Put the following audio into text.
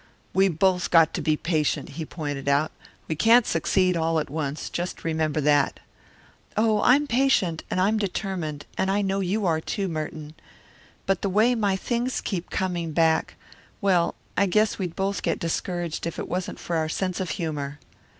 "We both got to be patient," he pointed out. "We can't succeed all at once, just remember that." "Oh, I'm patient, and I'm determined; and I know you are, too, Merton. But the way my things keep coming back well, I guess we'd both get discouraged if it wasn't for our sense of humour."